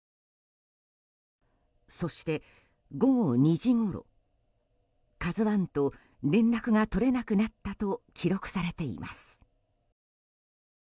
そして、午後２時ごろ「ＫＡＺＵ１」と連絡が取れなくなったと記録されています。